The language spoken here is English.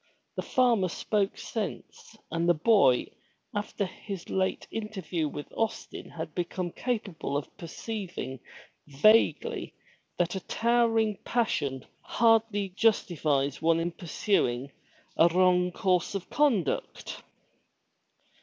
The farmer spoke sense, and the boy after his late interview with Austin had become capable of perceiving vaguely that a towering passion 246 FROM THE TOWER WINDOW hardly justifies one in pursuing a wrong course of conduct.